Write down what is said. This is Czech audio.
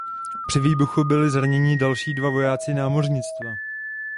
Při výbuchu byli zraněni další dva vojáci námořnictva.